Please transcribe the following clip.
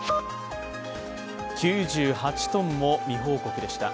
９８ｔも未報告でした。